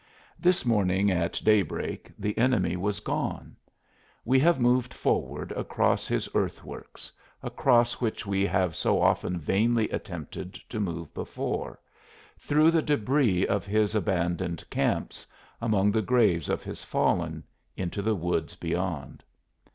This morning at daybreak the enemy was gone. We have moved forward across his earthworks, across which we have so often vainly attempted to move before, through the debris of his abandoned camps, among the graves of his fallen, into the woods beyond.